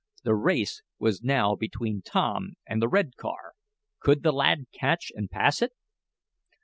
The race was now between Tom and the red car. Could the lad catch and pass it?